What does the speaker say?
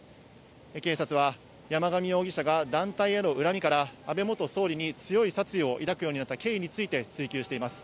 警察は山上容疑者が団体への恨みから、安倍元総理に強い殺意を抱くようになった経緯について、追及しています。